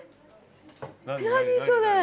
何それ？